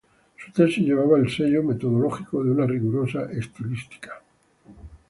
Su tesis llevaba el sello metodológico de una rigurosa Estilística.